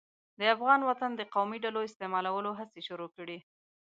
د افغان وطن د قومي ډلو استعمالولو هڅې شروع کړې.